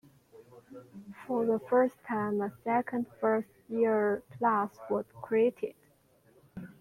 For the first time a second first year class was created.